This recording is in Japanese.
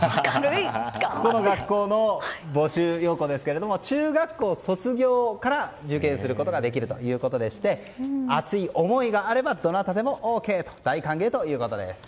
この学校の募集要項ですが中学校卒業から受験することができるということでして熱い思いがあればどなたでもＯＫ大歓迎ということです。